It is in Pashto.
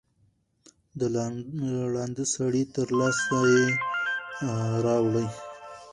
د ړانده سړي تر لاسه یې راوړی